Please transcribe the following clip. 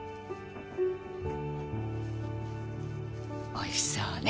おいしそうね。